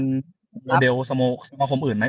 ระเดลสโมกสมาคมอื่นไหม